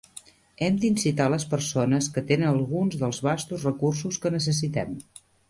Hem d'incitar les persones que tenen alguns dels vastos recursos que necessitem.